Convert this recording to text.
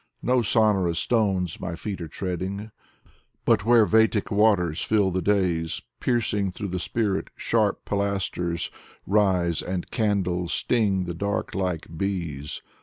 No sonorous stones my feet are treading, But where vatic waters fill the days. Piercing through the spirit, sharp pilasters Rise, and candle sting the dark like bees.